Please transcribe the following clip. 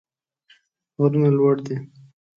غرونه لوړ دي.